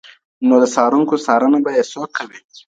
نو د څارونکي څارنه به يې څوک کوي